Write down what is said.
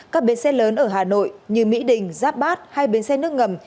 các bến xe lớn ở hà nội như mỹ đình giáp bát hay bến xe nước ngầm